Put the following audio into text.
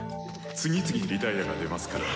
「次々リタイアが出ますから」。